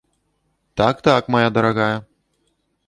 Так, так, мая дарагая.